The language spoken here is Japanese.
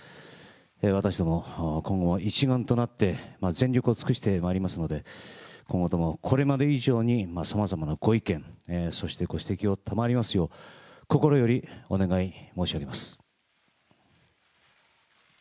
私ども、今後は一丸となって全力を尽くしてまいりますので、今後ともこれまで以上にさまざまなご意見、そしてご指摘をたまわりますよう、心よりお願い申し上げます。